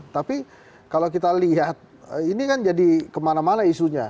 tapi kalau kita lihat ini kan jadi kemana mana isunya